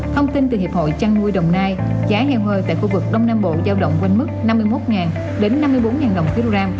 thông tin từ hiệp hội chăn nuôi đồng nai giá heo hơi tại khu vực đông nam bộ giao động quanh mức năm mươi một đến năm mươi bốn đồng một kg